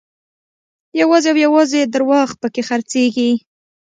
یوازې او یوازې درواغ په کې خرڅېږي.